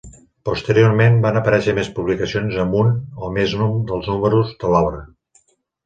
Posteriorment van aparèixer més publicacions amb un o més dels números de l'obra.